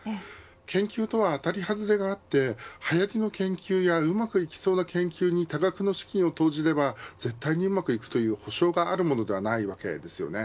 研究とは当たりはずれがあってはやりの研究やうまくいきそうな研究に多額の資金を投じれば、絶対にうまくいくという保証があるものではありません。